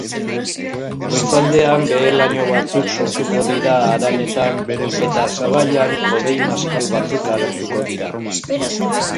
Goizaldean behe-laino batzuk sortuko dira haranetan eta sabaian hodei maskal batzuk agertuko dira.